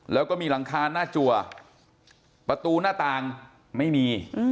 แล้วก็มีหลังคาหน้าจัวประตูหน้าต่างไม่มี